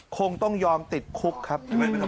คงต้องยอมติดคุกครับ